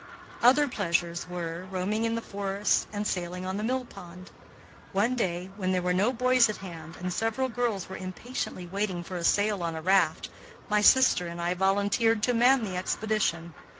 Other pleasures were, roaming in the forests and sailing on the mill pond. One day, when there were no boys at hand and several girls were impatiently waiting for a sail on a raft, my sister and I volunteered to man the expedition.